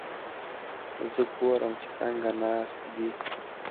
زه ګورم چې څنګه ناست دي؟